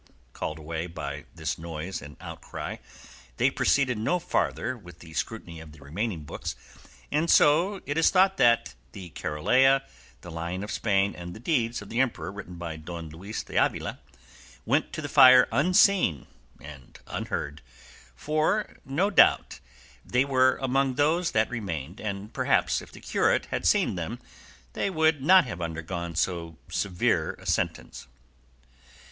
Called away by this noise and outcry, they proceeded no farther with the scrutiny of the remaining books, and so it is thought that "The Carolea," "The Lion of Spain," and "The Deeds of the Emperor," written by Don Luis de Avila, went to the fire unseen and unheard; for no doubt they were among those that remained, and perhaps if the curate had seen them they would not have undergone so severe a sentence.